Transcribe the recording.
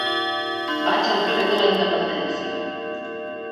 Vaig al carrer de la Independència.